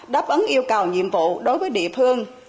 đáp ứng yêu cầu nhiệm vụ đối với địa phương